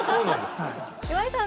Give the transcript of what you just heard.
岩井さん